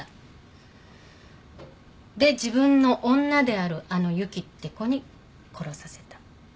で自分の女であるあの由紀って子に殺させた。